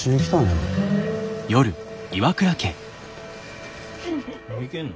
もういけんの？